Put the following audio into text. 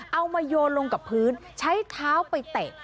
เอามาโยนลงกับพื้นใช้เท้าไปเตะ